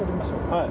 はい。